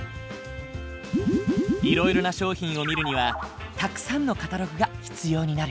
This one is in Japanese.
いろいろな商品を見るにはたくさんのカタログが必要になる。